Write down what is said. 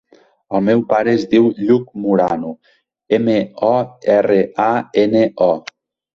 El meu pare es diu Lluc Morano: ema, o, erra, a, ena, o.